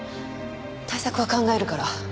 対策は考えるから。